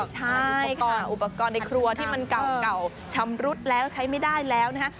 ใช่อุปกรณ์อุปกรณ์ในครัวที่มันเก่าชำรุดแล้วใช้ไม่ได้แล้วนะฮะ